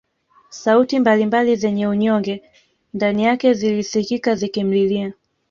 Sauti mbali mbali zenye unyonge ndani yake zilisikika zikimlilia